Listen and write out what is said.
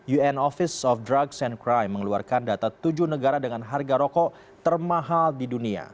un office of drugs and crime mengeluarkan data tujuh negara dengan harga rokok termahal di dunia